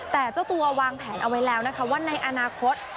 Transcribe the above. แต่เจ้าตัววางแผนเอาไว้แล้วนะคะว่าในอนาคต